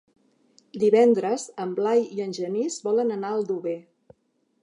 Divendres en Blai i en Genís volen anar a Aldover.